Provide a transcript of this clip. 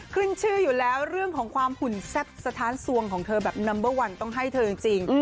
ขึ้นชื่ออยู่แล้วเรื่องของความหุ่นแซ่บสถานสวงของเธอแบบนัมเบอร์วันต้องให้เธอจริง